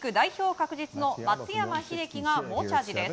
確実の松山英樹が猛チャージです。